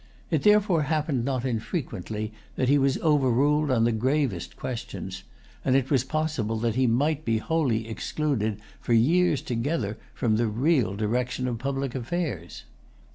It therefore happened not unfrequently that he was overruled on the gravest questions; and it was possible that he might be wholly excluded, for years together, from the real direction of public affairs.